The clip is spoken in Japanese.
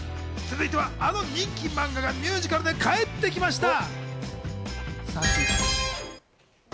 続いては、あの人気マンガがミュージカルで帰ってきました。